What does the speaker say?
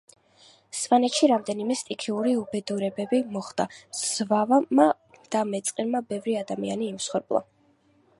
სვანეთში რამოდენიმე სტიქიური უბედურებები მოხდა, ზვავმა და მეწყერმა ბევრი ადამიანი იმსხვერპლა